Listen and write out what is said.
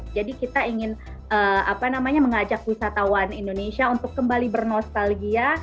jadi kita ingin mengajak wisatawan indonesia untuk kembali bernostalgia